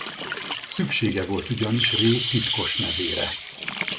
Szüksége volt ugyanis Ré titkos nevére.